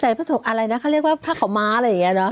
ใจพัดตกอะไรนะเขาเรียกว่าท่าข่าวม้าอะไรอย่างเงี้ยนะ